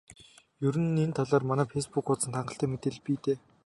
Ер нь энэ талаар манай фейсбүүк хуудсанд хангалттай мэдээлэл бий дээ.